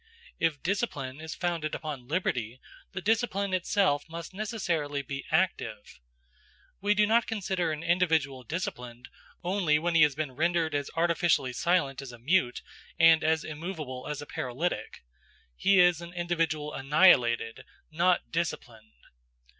If discipline is founded upon liberty, the discipline itself must necessarily be active. We do not consider an individual disciplined only when he has been rendered as artificially silent as a mute and as immovable as a paralytic. He is an individual annihilated, not disciplined.